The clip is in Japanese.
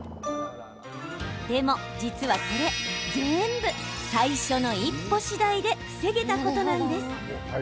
でも、実はこれ全部最初の一歩次第で防げたことなんです。